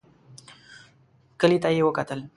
کلي ته يې وکتل.